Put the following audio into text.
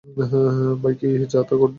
ভাই, কী যা-তা বলছিস?